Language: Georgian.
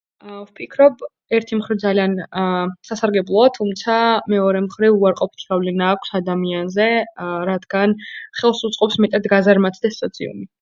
აა... ვფიქრობ, ერთი მხრივ, ძალიან... აა... სასარგებლოა, თუმცა, მეორე მხრივ, უარყოფითი გავლენა აქვს ადამიანზე... აა... რადგან ხელს უწყობს მეტად გაზარმაცდეს სოციუმი.